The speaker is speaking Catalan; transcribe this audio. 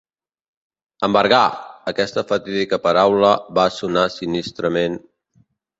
Embargar! Aquesta fatídica paraula va sonar sinistrament